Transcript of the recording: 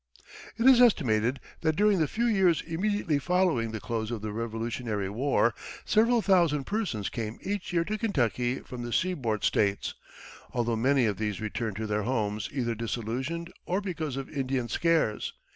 It is estimated that during the few years immediately following the close of the Revolutionary War several thousand persons came each year to Kentucky from the seaboard States, although many of these returned to their homes either disillusioned or because of Indian scares.